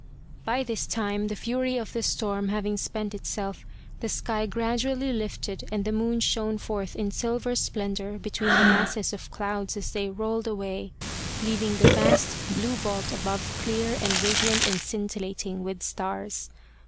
By this time, the fury of the storm having spent itself, the sky gradually lifted and the moon shone forth in silver splendour between the masses of clouds as they rolled away, leaving the vast blue vault above clear and radiant and scintillating with stars.